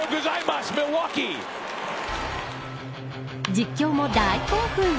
実況も大興奮。